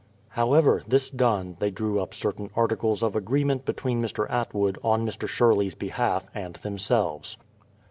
However, this done, they drew up certain articles of agreement between Mr. Atwood, on Mr. Sherley's behalf, and themselves.